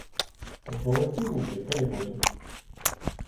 Золоті руки, та й годі!